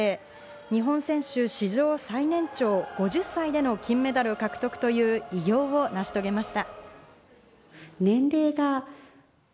日本選手史上最年長５０歳での金メダル獲得という偉業を成し遂げました。